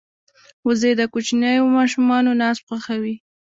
وزې د کوچنیو ماشومانو ناز خوښوي